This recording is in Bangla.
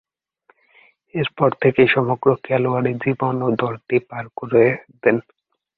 এরপর থেকেই সমগ্র খেলোয়াড়ী জীবন এ দলটিতে পার করে দেন।